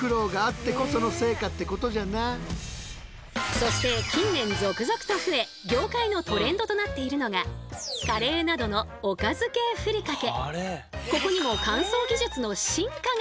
そして近年続々と増え業界のトレンドとなっているのがカレーなどのおかず系ふりかけ。